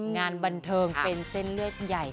งานบันเทิงเป็นเส้นเลือดใหญ่